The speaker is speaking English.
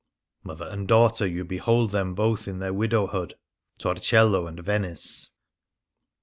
Mother and daughter, you be hold them both in their widowhood — Torcello and Venice."